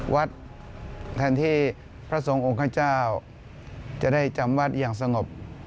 วัดแทนที่พระสงฆ์องค์ข้าเจ้าจะได้จำวัดอย่างสงบ